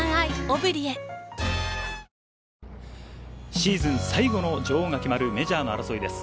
シーズン最後の女王が決まるメジャーの争いです。